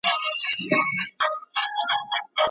ایا څېړنه د دقیقو معلوماتو غوښتنه کوي؟